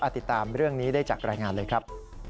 ติดตามเรื่องนี้ได้จากรายงานเลยครับ